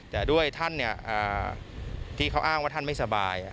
แต่ด้วยท่านที่เขาอ้างว่าท่านไม่สบาย